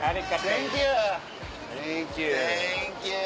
サンキュー。